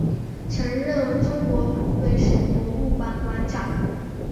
曾担任中国湖北省博物馆馆长。